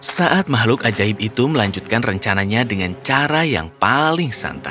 saat makhluk ajaib itu melanjutkan rencananya dengan cara yang paling santai